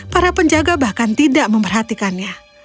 para penjaga bahkan tidak memperhatikannya